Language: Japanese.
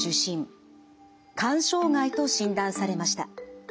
肝障害と診断されました。